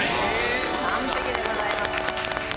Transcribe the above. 完璧でございます。